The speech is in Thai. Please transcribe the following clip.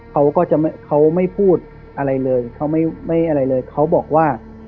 เขาก็จะเขาไม่พูดอะไรเลยเขาไม่อะไรเลยเขาบอกว่า